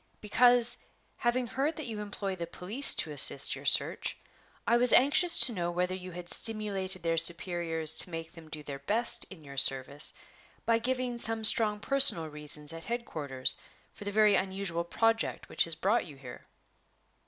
"Because, having heard that you employ the police to assist your search, I was anxious to know whether you had stimulated their superiors to make them do their best in your service by giving some strong personal reasons at headquarters for the very unusual project which has brought you here."